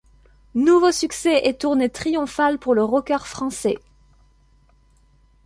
Nouveau succès et tournée triomphale pour le rocker français.